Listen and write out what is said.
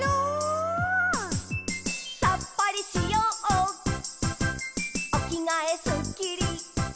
「さっぱりしようおきがえすっきり」